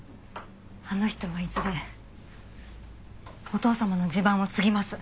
あの人はいずれお義父様の地盤を継ぎます。